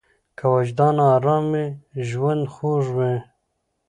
که وجدان ارام وي، ژوند خوږ وي.